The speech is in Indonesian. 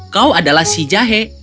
kau adalah si jahe